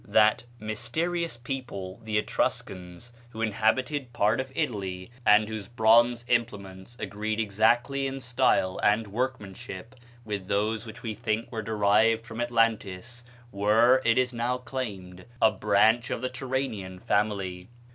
That mysterious people, the Etruscans, who inhabited part of Italy, and whose bronze implements agreed exactly in style and workmanship with those which we think were derived from Atlantis, were, it is now claimed, a branch of the Turanian family.